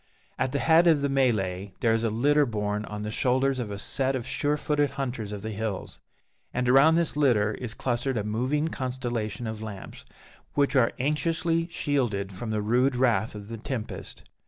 At the head of the melée there is a litter borne on the shoulders of a set of sure footed hunters of the hills; and around this litter is clustered a moving constellation of lamps, which are anxiously shielded from the rude wrath of the tempest.